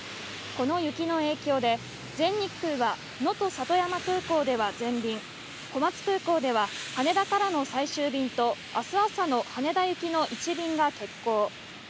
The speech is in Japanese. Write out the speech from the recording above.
この雪の影響で、全日空はのと里山空港では全便、小松空港では羽田からの最終便と、あす朝の羽田行きの１便が欠航。